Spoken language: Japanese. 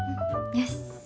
よし。